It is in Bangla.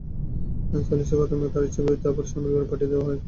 সালিসে ফাতেমাকে তার ইচ্ছার বিরুদ্ধে আবার স্বামীর ঘরে পাঠিয়ে দেওয়া হয়।